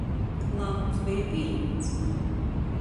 Lāmums beja pījimts.